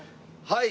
はい。